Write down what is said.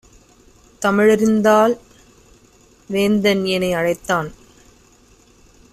தமிழறிந்த தால்வேந்தன் எனை அழைத்தான்;